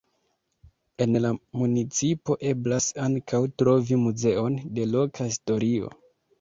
En la municipo eblas ankaŭ trovi muzeon de loka historio.